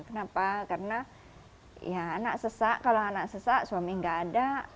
kenapa karena ya anak sesak kalau anak sesak suami nggak ada